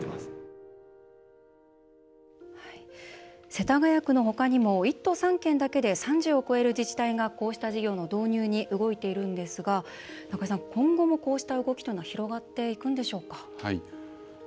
世田谷区の他にも１都３県だけで３０を超える自治体が、こうした事業の導入に動いているんですが中井さん今後もこうした動きっていうのは広がっていくんでしょうか？